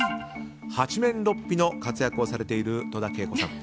八面六臂の活躍をされている戸田恵子さん。